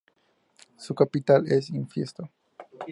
Su capital es Infiesto.